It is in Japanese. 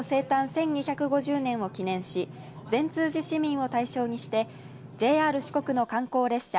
１２５０年を記念し善通寺市民を対象にしてＪＲ四国の観光列車